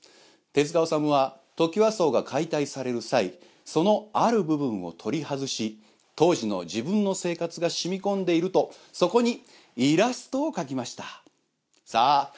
手塚治虫はトキワ荘が解体される際そのある部分を取り外し当時の自分の生活が染み込んでいるとそこにイラストを描きましたさあ